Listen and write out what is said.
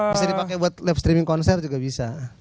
bisa dipakai buat live streaming konser juga bisa